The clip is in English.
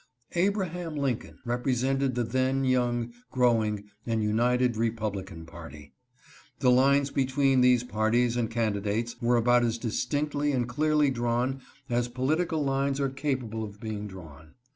Abraham Lincoln represented the then young, growing, and united republican party. The lines between these parties and candidates were about as distinctly and clearly drawn as political lines are capable of being drawn.